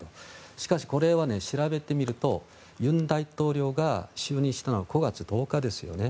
しかし、これは調べてみると尹大統領が就任したのが５月１０日ですよね。